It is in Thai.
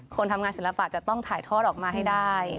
คนทำงานศิลปะจะต้องถ่ายทอดออกมาให้ได้